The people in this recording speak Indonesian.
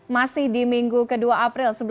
masih di minggu ke dua april